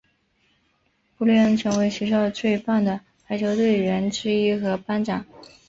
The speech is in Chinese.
布丽恩成为学校最棒的排球队员之一和班长。